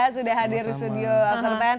sudah hadir di studio after sepuluh